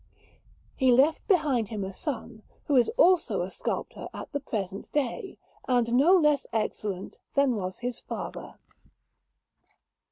He left behind him a son who is also a sculptor at the present day, and no less excellent than was his father.